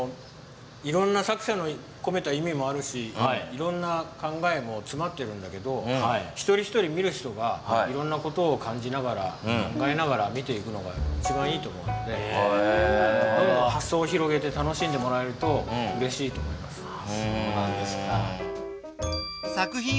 いろんな作者のこめた意味もあるしいろんな考えもつまってるんだけど一人一人見る人がいろんな事を感じながら考えながら見ていくのが一番いいと思うのでどんどん発想を広げて楽しんでもらえるとうれしいと思います。